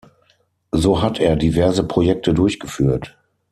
So hat er diverse Projekte durchgeführt.